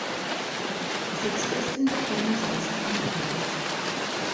Die sechs Besten bekommen sonst einen Preis.